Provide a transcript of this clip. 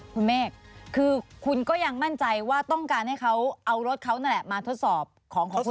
คุณเมฆคือคุณก็ยังมั่นใจว่าต้องการให้เขาเอารถเขานั่นแหละมาทดสอบของของคุณ